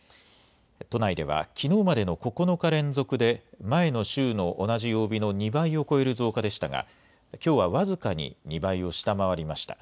都内ではきのうまでの９日連続で、前の週の同じ曜日の２倍を超える増加でしたが、きょうは僅かに２倍を下回りました。